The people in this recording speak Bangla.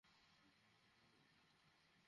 সবকিছু নিয়ে ঝগড়া করা বন্ধ করো, বাবা!